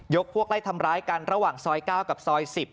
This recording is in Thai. พวกไล่ทำร้ายกันระหว่างซอย๙กับซอย๑๐